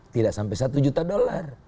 tidak sampai satu juta dolar